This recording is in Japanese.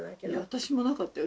私もなかったよ